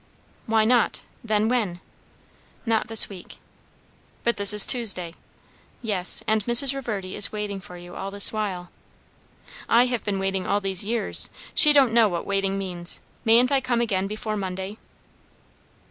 "Why not? Then when?" "Not this week." "But this is Tuesday." "Yes. And Mrs. Reverdy is waiting for you all this while." "I have been waiting all these years. She don't know what waiting means. Mayn't I come again before Monday?"